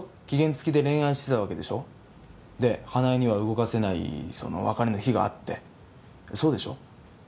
期限つきで恋愛してたわけでしょ？で花枝には動かせないその別れの日があってそうでしょ？